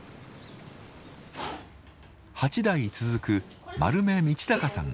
８代続く丸目通さん一家。